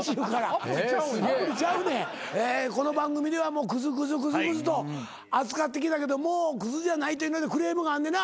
この番組ではクズクズと扱ってきたけどもうクズじゃないっていうのでクレームがあんねんな？